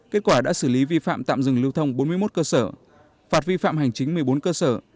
kết quả đã xử lý vi phạm tạm dừng lưu thông bốn mươi một cơ sở phạt vi phạm hành chính một mươi bốn cơ sở